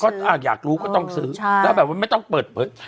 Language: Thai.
ก็ต้องซื้อกันนะก็อยากรู้ก็ต้องซื้อแล้วแบบว่าไม่ต้องเปิดเผย